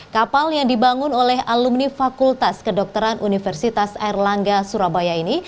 kapal yang dibangun oleh alumni fakultas kedokteran universitas erlangga surabaya ini